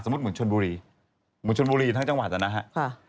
สมมติเหมือนชนบุรีเหมือนชนบุรีทั้งจังหวัดนะฮะ